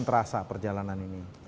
terasa perjalanan ini